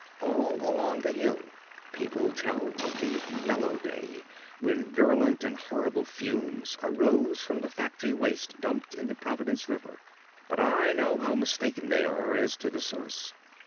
All along the hill people tell of the yellow day, when virulent and horrible fumes arose from the factory waste dumped in the Providence River, but I know how mistaken they are as to the source.